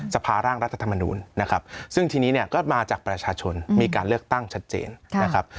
สภาร่างรัฐธรรมนูลนะครับซึ่งทีนี้เนี่ยก็มาจากประชาชนมีการเลือกตั้งชัดเจนนะครับ